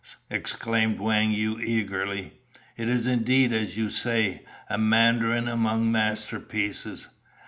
exclaimed Wang Yu eagerly, "it is indeed as you say, a Mandarin among masterpieces.